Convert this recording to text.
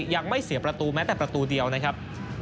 ยังไม่เสียประตูแม้แต่ประตูเดียวนะครับ